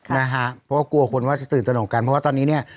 นะฮะเพราะว่ากลัวคนว่าจะตื่นตนกกันเพราะว่าตอนนี้เนี่ย